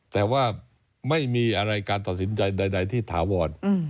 แต่ว่าไม่มีอะไรการตัดสินใจใดที่ถาวร